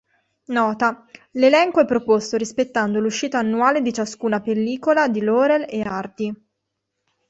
Nota: l'elenco è proposto rispettando l'uscita annuale di ciascuna pellicola di Laurel e Hardy.